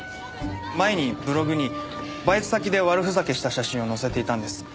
前にブログにバイト先で悪ふざけした写真を載せていたんです。